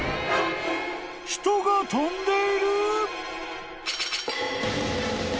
［人が飛んでいる！？］